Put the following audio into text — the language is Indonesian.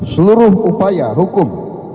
seluruh upaya hukum